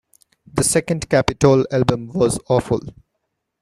The second Capitol album was awful....